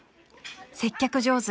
［接客上手。